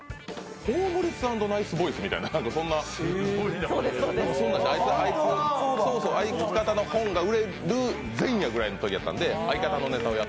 ホームレス＆ナイスボイスみたいな相方の本が売れる前夜みたいな感じだったんで。